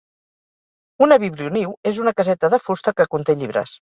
Una biblioniu és una caseta de fusta que conté llibres